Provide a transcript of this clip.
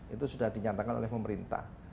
itu sudah dinyatakan oleh pemerintah